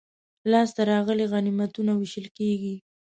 لاسته راغلي غنیمتونه وېشل کیږي.